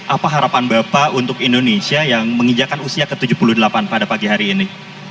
apa harapan bapak untuk indonesia yang menginjakan usia ke tujuh puluh delapan pada pagi hari ini